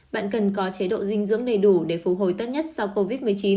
bạn cần có chế độ dinh dưỡng đầy đủ để phục hồi tốt nhất sau covid một mươi chín